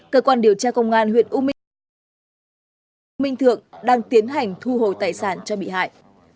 cơ quan điều tra công an huyện u minh thượng đang tiến hành thu hồi tài sản cho bị hại